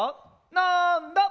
なんだ？